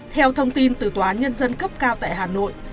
theo thông tin từ toán nhân dân cấp cao tại hà nội